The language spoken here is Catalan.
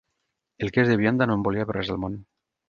El què és de vianda no en volia per res del món.